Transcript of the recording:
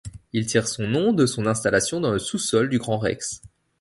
Il tire son nom de son installation dans le sous-sol du Grand Rex.